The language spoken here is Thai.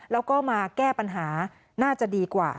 แล้วก็มาแก้ปัญหาน่าจะดีกว่า